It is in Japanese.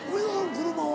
車は？